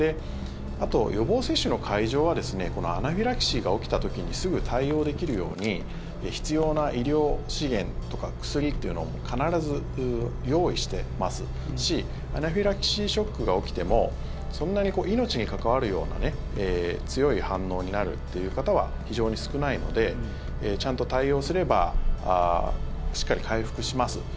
あと予防接種の会場はアナフィラキシーが起きた時にすぐ対応できるように必要な医療資源とか薬というのを必ず用意してますしアナフィラキシーショックが起きても命に関わるような強い反応になるという方は非常に少ないのでちゃんと対応すればしっかり回復します。